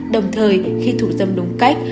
đồng thời khi thù dâm đúng cách